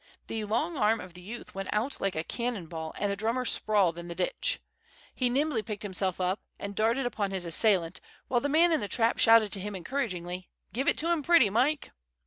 The long arm of the youth went out like a cannon ball, and the drummer sprawled in the ditch. He nimbly picked himself up and darted upon his assailant, while the man in the trap shouted to him encouragingly, "Give it to him pretty, Mike."